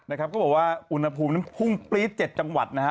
เขาบอกว่าอุณหภูมินั้นพุ่งปรี๊ด๗จังหวัดนะฮะ